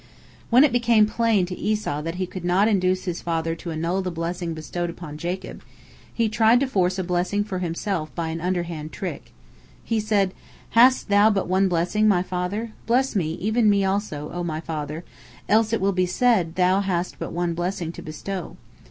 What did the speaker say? " When it became plain to Esau that he could not induce his father to annul the blessing bestowed upon Jacob, he tried to force a blessing for himself by an underhand trick. He said: "Hast thou but one blessing, my father? bless me, even me also, O my father, else it will be said thou hast but one blessing to bestow.